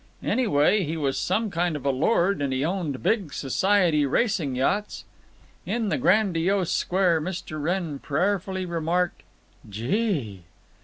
Anyway, he was some kind of a lord, and he owned big society racing yachts. In the grandiose square Mr. Wrenn prayerfully remarked, "Gee!"